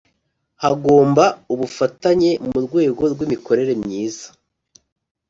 Hgomba ubufatanye mu rwego rw’imikorere myiza